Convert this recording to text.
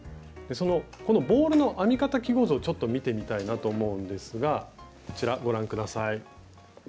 このボールの編み方記号図をちょっと見てみたいなと思うんですがこちらご覧下さい。